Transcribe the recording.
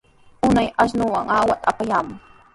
Unay ashnuwan aquta apayamuq.